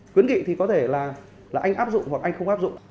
khuyến nghị thì có thể là anh áp dụng hoặc anh không áp dụng